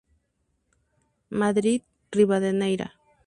Madrid: Rivadeneyra.